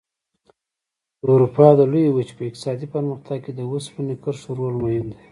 د اروپا لویې وچې په اقتصادي پرمختګ کې د اوسپنې کرښو رول مهم دی.